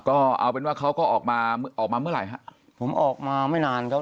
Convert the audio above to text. ก็เอาเป็นว่าเขาก็ออกมาออกมาเมื่อไหร่ฮะผมออกมาไม่นานครับ